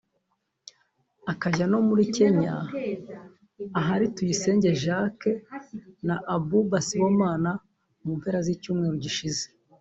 akajya no muri Kenya ahari Tuyisenge Jacques na Abouba Sibomana mu mpera z’icyumweru gishize